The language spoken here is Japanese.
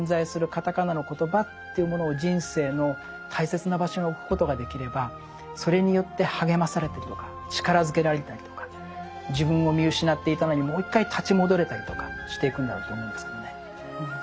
カタカナのコトバというものを人生の大切な場所に置くことができればそれによって励まされたりとか力づけられたりとか自分を見失っていたのにもう一回立ち戻れたりとかしていくんだろうと思うんですけどね。